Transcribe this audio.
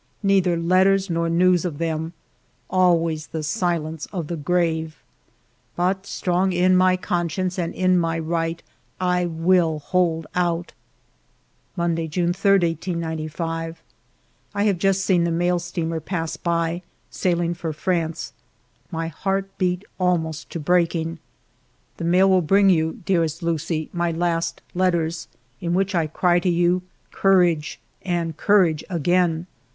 Neither letters nor news of them ; always the silence of the grave. But strong in my conscience and in my right, I will hold out. Monday^ June 3 , 1895. I have just seen the mail steamer pass by, sailing for France. My heart beat almost to breaking. The mail will bring you, dearest Lucie, my last letters, in which I cry to you. Courage and courage again